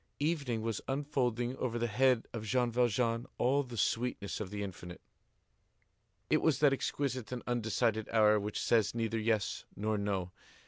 Evening was unfolding over the head of Jean Valjean all the sweetness of the infinite. It was that exquisite and undecided hour which says neither yes nor no.